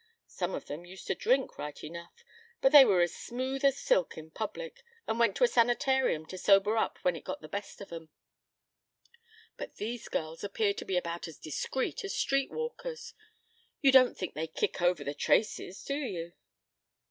Some of them used to drink, right enough, but they were as smooth as silk in public, and went to a sanitarium to sober up when it got the best of 'em. But these girls appear to be about as discreet as street walkers. You don't think they kick over the traces, do you?"